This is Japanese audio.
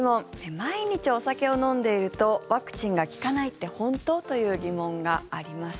毎日お酒を飲んでいるとワクチンが効かないって本当？という疑問があります。